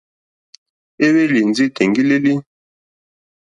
Éhwélì ndí tèŋɡí!lélí.